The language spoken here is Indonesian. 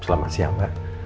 selamat siang pak